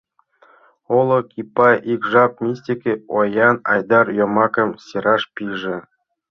Олык Ипай ик жап мистике оян «Айдар» йомакым сераш пиже.